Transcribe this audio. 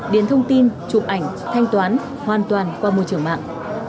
điền thông tin chụp ảnh thanh toán hoàn toàn qua môi trường mạng